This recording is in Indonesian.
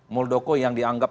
muldoko yang dianggap